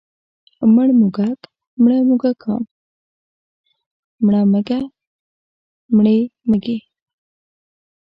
مړ موږک، مړه موږکان، مړه مږه، مړې مږې.